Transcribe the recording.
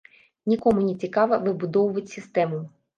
Нікому не цікава выбудоўваць сістэму.